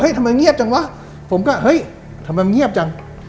ทำไมเงียบจังวะผมก็เฮ้ยทำไมมันเงียบจัง